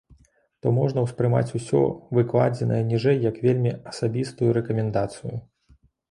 То можна ўспрымаць усё выкладзенае ніжэй як вельмі асабістую рэкамендацыю.